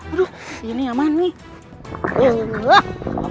aduh ini aman nih